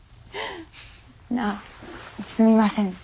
ああすみません。